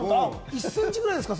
１センチくらいですか？